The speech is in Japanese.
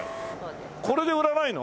これで売らないの？